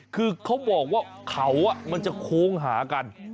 คือเขาบอกว่าเขามันจะโค้งหากัน